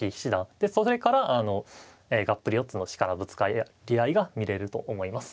でそれからがっぷり四つの力のぶつかり合いが見れると思います。